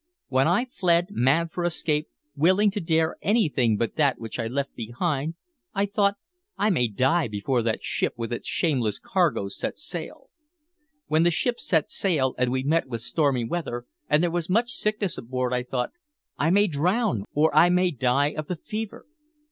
When I fled, mad for escape, willing to dare anything but that which I left behind, I thought, 'I may die before that ship with its shameless cargo sets sail.' When the ship set sail, and we met with stormy weather, and there was much sickness aboard, I thought, 'I may drown or I may die of the fever.'